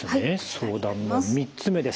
相談の３つ目です。